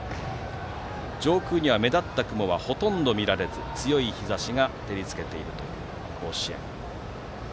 上空には目立った雲はほとんど見られず強い日ざしが照り付けています。